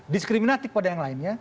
diskriminatif pada yang lainnya